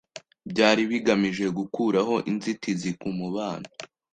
byari bigamije gukuraho inzitizi ku mubano